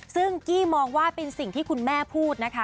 ซึ่งกี้มองว่าเป็นสิ่งที่คุณแม่พูดนะคะ